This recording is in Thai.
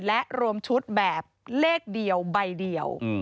และรวมชุดแบบเลขเดียวใบเดียว